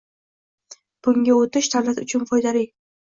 Bunga o‘tish davlat uchun foydali.